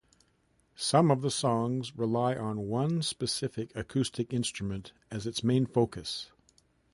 Some of the songs rely on one specific acoustic instrument as its main focus.